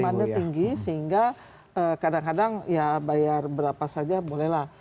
demandnya tinggi sehingga kadang kadang ya bayar berapa saja bolehlah